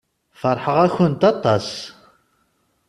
Feṛḥeɣ-akent aṭas.